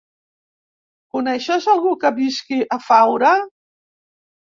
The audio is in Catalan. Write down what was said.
Coneixes algú que visqui a Faura?